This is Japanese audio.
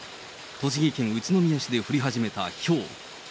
栃木県宇都宮市で降り始めたひょう。